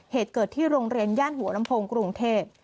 เหตุเกิดที่โรงเรียนย่านหัวลำโพงกรุงเทพ